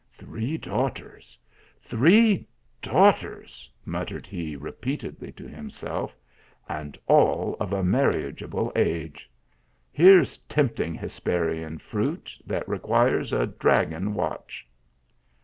" Three daughters ! three daughters !" muttered he, re peatedly to himself, " and all of a marriageable age ! Here s tempting hesperian fruit, that requires a dragon watch